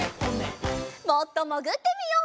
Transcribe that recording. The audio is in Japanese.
もっともぐってみよう。